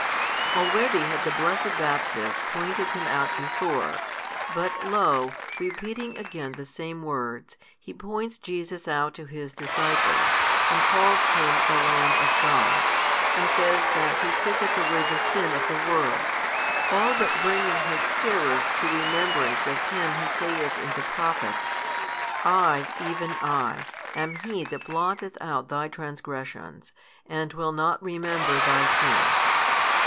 Already had the blessed Baptist pointed Him out before; but lo, repeating again the same words, he points Jesus out to his disciples, and calls Him the Lamb of God, and says that He taketh away the sin of the world, all but bringing his hearers to remembrance of Him Who saith in the Prophets: I, even I, am He That blotteth out thy transgressions, and will not remember thy sins.